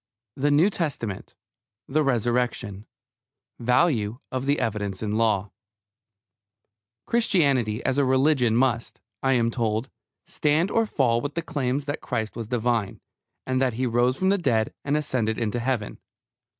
THE NEW TESTAMENT THE RESURRECTION VALUE OF THE EVIDENCE IN LAW Christianity as a religion must, I am told, stand or fall with the claims that Christ was divine, and that He rose from the dead and ascended into Heaven.